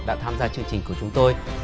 đã tham gia chương trình của chúng tôi